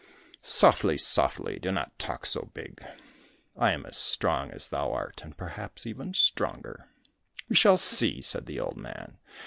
"Softly, softly, do not talk so big. I am as strong as thou art, and perhaps even stronger." "We shall see," said the old man.